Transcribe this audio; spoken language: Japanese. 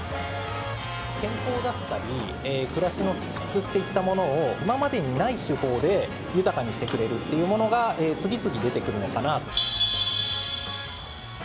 健康だったり、暮らしの質っていったものを、今までにない手法で豊かにしてくれるというものが次々出てくるのかなと。